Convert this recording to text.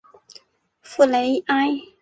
博雷埃。